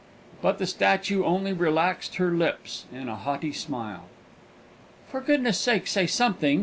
"] But the statue only relaxed her lips in a haughty smile. "For goodness' sake, say something!"